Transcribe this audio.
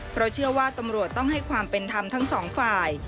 เพราะเชื่อว่าตำรวจต้องให้ความเป็นธรรมทั้งสองฝ่าย